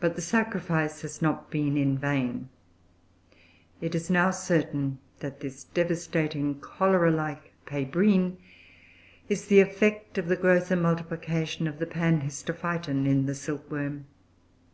But the sacrifice has not been in vain. It is now certain that this devastating, cholera like, Pébrine, is the effect of the growth and multiplication of the Panhistophyton in the silkworm.